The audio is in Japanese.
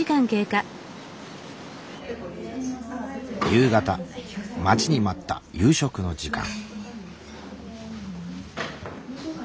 夕方待ちに待った夕食の時間。